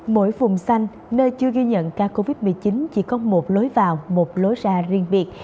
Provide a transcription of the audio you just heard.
mỗi vùng xanh nơi chưa ghi nhận ca covid một mươi chín chỉ có một lối vào một lối ra riêng biệt